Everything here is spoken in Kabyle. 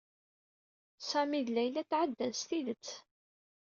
Sami d Layla tɛeddan s tidet.